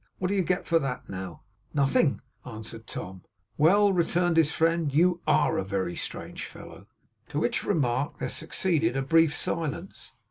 What do you get for that, now?' 'Nothing,' answered Tom. 'Well,' returned his friend, 'you ARE a very strange fellow!' To which remark there succeeded a brief silence.